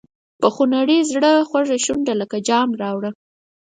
په خونړي زړه خوږه شونډه لکه جام راوړه.